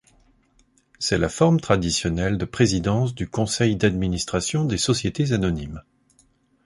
C'est la forme traditionnelle de présidence du conseil d'administration des sociétés anonymes.